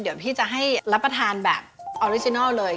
เดี๋ยวพี่จะให้รับประทานแบบออริจินัลเลย